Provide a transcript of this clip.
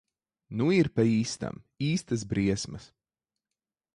Nu ir pa īstam. Īstas briesmas.